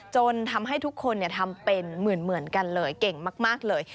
จนทำให้ทุกคนทำเป็นเหมือนกันเลยเก่งมากเลย